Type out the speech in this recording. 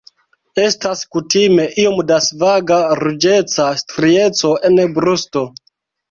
Estas kutime iom da svaga ruĝeca strieco en brusto.